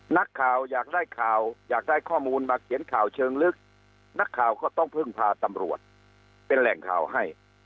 นักข่าวอยากได้ข่าวอยากได้ข้อมูลมาเขียนข่าวเชิงลึกนักข่าวก็ต้องพึ่งพาตำรวจเป็นแหล่งข่าวให้